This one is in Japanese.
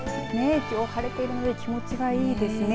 きょう晴れているので気持ちがいいですね。